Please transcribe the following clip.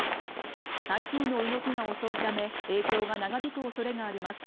台風の動きが遅いため影響が長引く恐れがあります